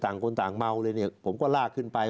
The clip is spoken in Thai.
ต่างคนต่างเมาเลยเนี่ยผมก็ลากขึ้นไป